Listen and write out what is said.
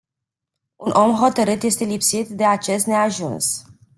Un om hotarît este lipsit de acest neajuns.